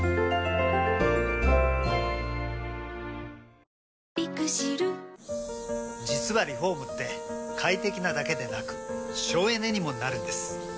あ実はリフォームって快適なだけでなく省エネにもなるんです。